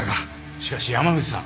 しかし山口さん